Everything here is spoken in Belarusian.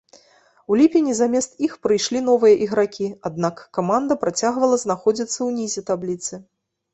У ліпені замест іх прыйшлі новыя ігракі, аднак каманда працягвала знаходзіцца ўнізе табліцы.